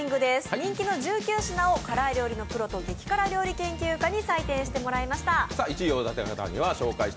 人気の１９品を辛い量のプロと激辛料理研究家にら採点してもらいました。